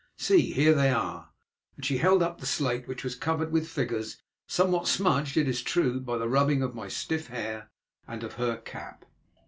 See, here they are," and she held up the slate, which was covered with figures, somewhat smudged, it is true, by the rubbing of my stiff hair and of her cap.